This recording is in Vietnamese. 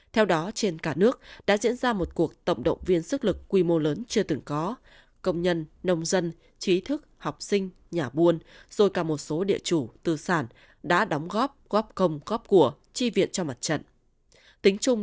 theo đó trên cả nước đã diễn ra một cuộc tổng động viên sức lực quy mô lớn chưa từng có công nhân nông dân trí thức học sinh nhà buôn rồi cả một số địa chủ tư sản đã đóng góp góp công góp của chi viện cho mặt trận